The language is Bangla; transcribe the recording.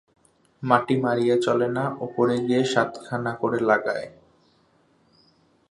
মাটি মাড়িয়ে চলে না, ওপরে গিয়ে সাতখানা করে লাগায়।